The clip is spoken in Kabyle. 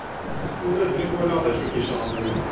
Ula d nekk walaɣ d acu i k-iceɣben.